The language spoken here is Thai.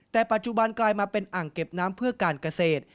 แต่ปัจจุบันกลายมาเป็นอ่างเก็บน้ำเพื่อการเกษตร